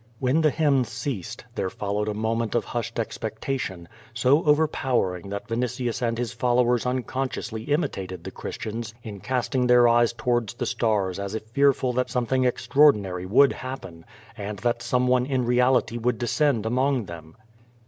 When the hymn ceased, there followed a moment of hushed expectation, so overpowering that Vinitius and his followers unconsciously imitated the Christians in casting their eyes towards the stars as if fearful that something ex traordinary would happen, and that some one in reality would descend among them.